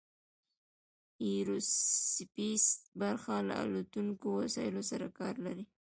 ایرو سپیس برخه له الوتونکو وسایلو سره کار لري.